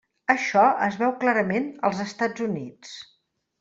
Això es veu clarament als Estats Units.